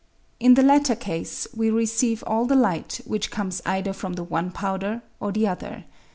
In the latter case we receive all the light which comes either from the one powder or the other.